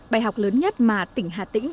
bài học lớn nhất mà tỉnh hà tĩnh